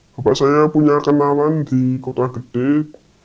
bapak saya punya kenalan di kota gede